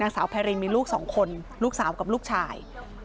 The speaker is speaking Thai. สาวไพรินมีลูกสองคนลูกสาวกับลูกชาย